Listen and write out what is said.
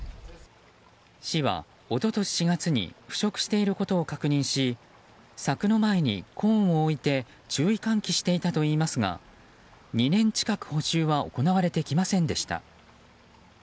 市は、一昨年４月に腐食していることを確認し柵の前にコーンを置いて注意喚起していたといいますが２年近く補修は行われてきませんでした。